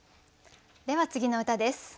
では次の歌です。